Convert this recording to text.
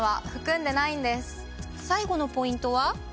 最後のポイントは？